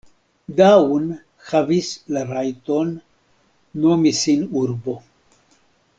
Daun havis la rajton nomi sin urbo.